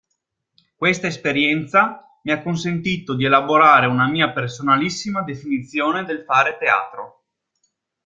Questa esperienza mi ha consentito di elaborare una mia personalissima definizione del fare teatro.